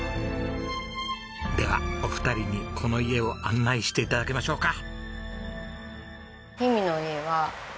ではお二人にこの家を案内して頂きましょうか。